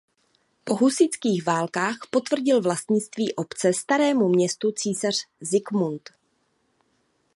Po husitských válkách potvrdil vlastnictví obce Starému městu císař Zikmund.